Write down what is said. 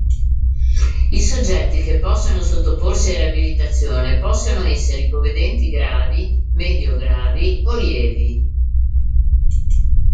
I soggetti che possono sottoporsi a riabilitazione possono essere ipovedenti gravi, medio-gravi o lievi.